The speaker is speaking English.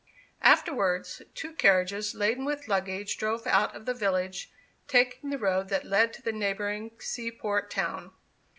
Afterwards, two carriages laden with luggage drove out of the village, taking the road that led to the neighbouring seaport town.